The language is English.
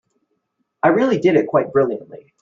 I really did it quite brilliantly.